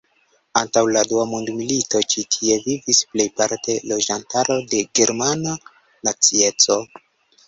Antaŭ la dua mondmilito ĉi tie vivis plejparte loĝantaro de germana nacieco.